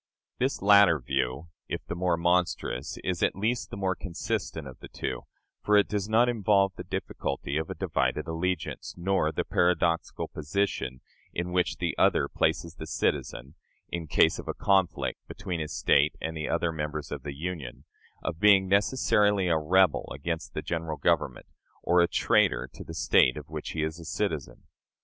This latter view, if the more monstrous, is at least the more consistent of the two, for it does not involve the difficulty of a divided allegiance, nor the paradoxical position in which the other places the citizen, in case of a conflict between his State and the other members of the Union, of being necessarily a rebel against the General Government or a traitor to the State of which he is a citizen.